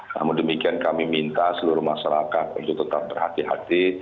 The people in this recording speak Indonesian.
namun demikian kami minta seluruh masyarakat untuk tetap berhati hati